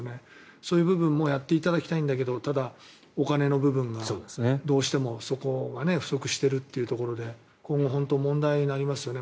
そういう部分もやっていただきたいんだけどただ、お金の部分がどうしてもそこの部分が不足してるというところで今後、問題になりますよね。